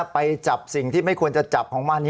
ไปจับสิ่งที่ไม่ควรจะจับของมัน